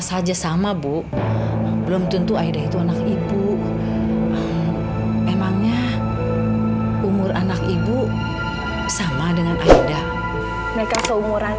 saja sama bu belum tentu aida itu anak ibu emangnya umur anak ibu sama dengan aida mereka keumuran